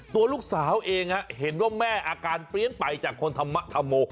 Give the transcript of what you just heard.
ตัวลูกสาวเองเห็นว่าแม่อาการเปลี่ยนไปจากคนธรรมธรรโม